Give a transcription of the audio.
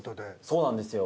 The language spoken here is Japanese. そうなんですよ。